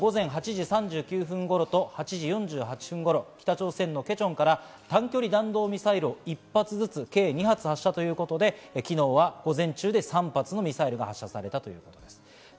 そのあと午前８時３９分頃と８時４８分頃、ケチョンから短距離弾道ミサイルを１発ずつ、計２発発射ということで、午前中だけで３発発射されたということです。